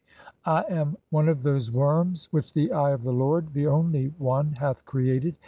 "I am one of those worms (?) which the eye of the Lord, the "only One, (18) hath created.